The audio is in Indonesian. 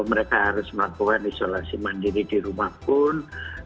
mereka harus melakukan isolasi mandiri di rumah pun